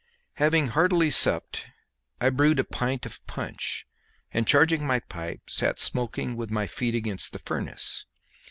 Having heartily supped, I brewed a pint of punch, and, charging my pipe, sat smoking with my feet against the furnace.